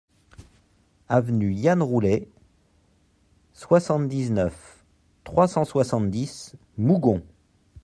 Avenue Yann Roullet, soixante-dix-neuf, trois cent soixante-dix Mougon